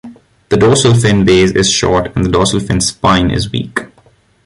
The dorsal fin base is short and the dorsal fin spine is weak.